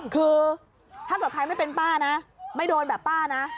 คือถ้าเกิดใครไม่เป็นป้านะไม่โดนแบบป้านะ